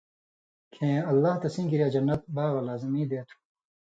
کھیں اللہ تسیں کِریا جنت (باغہ) لازمی دے تُھو۔